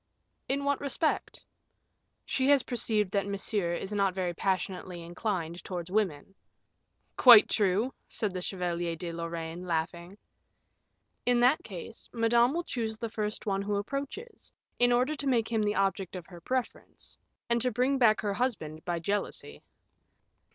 "In what respect?" "She has perceived that Monsieur is not very passionately inclined towards women." "Quite true," said the Chevalier de Lorraine, laughing. "In that case, Madame will choose the first one who approaches, in order to make him the object of her preference, and to bring back her husband by jealousy."